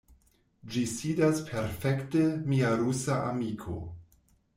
Ĝi sidas perfekte, mia rusa amiko.